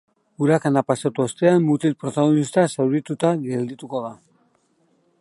Urakana pasatu ostean, mutil protagonista zaurituta geldituko da.